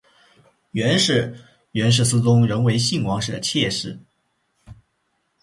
袁氏原是思宗仍为信王时的妾室。